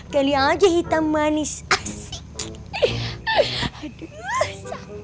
kali yang aja hitam manis asik